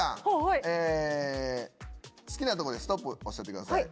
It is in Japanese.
好きなとこでストップおっしゃってください。